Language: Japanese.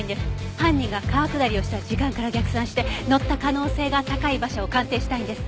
犯人が川下りをした時間から逆算して乗った可能性が高い馬車を鑑定したいんです。